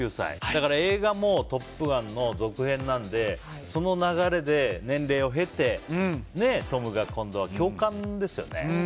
だから映画も「トップガン」の続編なのでその流れで、年齢を経てトムが今度は教官ですよね。